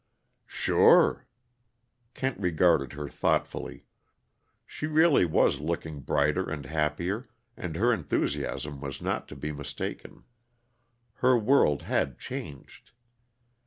"Sure." Kent regarded her thoughtfully. She really was looking brighter and happier, and her enthusiasm was not to be mistaken. Her world had changed.